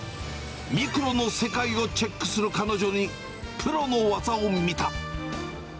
ミクロの世界をチェックする彼女にプロの技を見た。